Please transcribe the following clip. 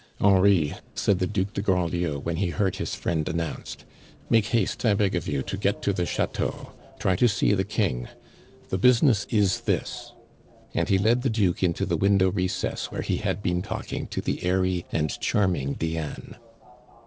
"Henri," said the Duc de Grandlieu when he heard his friend announced, "make haste, I beg of you, to get to the Chateau, try to see the King the business of this;" and he led the Duke into the window recess, where he had been talking to the airy and charming Diane.